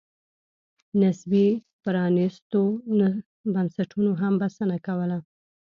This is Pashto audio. نسبي پرانېستو بنسټونو هم بسنه کوله.